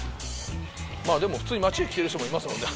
まあでも普通に街で着てる人もいますもんね。